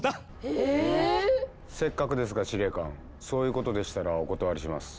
えぇ⁉せっかくですが司令官そういうことでしたらお断りします。